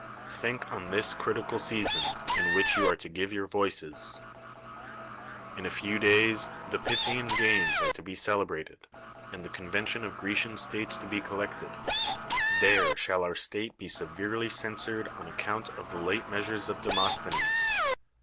Think on this ci itical season, in which you arc to give youi' \(>iccs. In a few days the Pyth 229 THE WORLD'S FAMOUS ORATIONS lan games are to be celebrated, and the conven tion of Grecian states to be collected. There shall our state be severely censured on account of the late measures of Demosthenes.